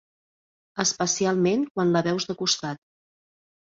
Especialment quan la veus de costat.